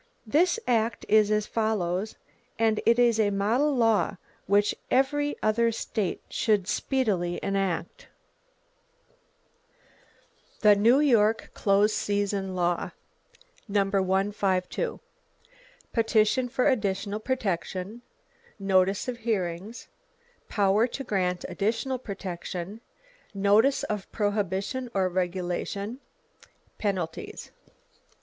This act is as follows; and it is a model law, which every other state should speedily enact: [Page 90] THE NEW YORK CLOSE SEASON LAW. 152. Petition for additional protection; notice of hearings; power to grant additional protection; notice of prohibition or regulation; penalties.